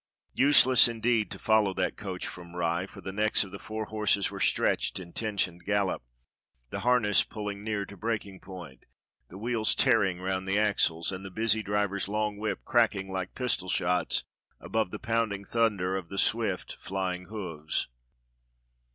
Useless, indeed. 278 DOCTOR SYN to follow that coach from Rye, for the necks of the four horses were stretched in tensioned gallop, the harness pulling near to breaking point, the wheels tearing round the axles, and the busy driver's long whip cracking like pistol shots above the pounding thunder of the swift flying hoofs.